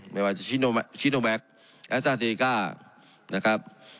ไม่ว่าชีโนแวคแอซซาซีกา